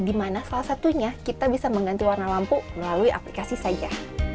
di mana salah satunya kita bisa mengganti warna lampu melalui aplikasi saja